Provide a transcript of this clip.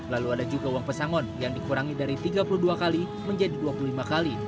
lalu ada juga uang pesangon yang dikurangi dari tiga puluh dua kali menjadi dua puluh lima kali